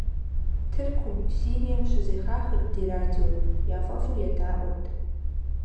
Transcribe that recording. Тыркум, Сирием щызэхахырт ди радиор, яфӀэфӀу едаӀуэрт.